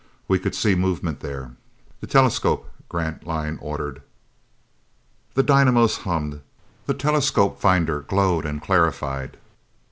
We could see movement there. "The telescope," Grantline ordered. The dynamos hummed. The telescope finder glowed and clarified.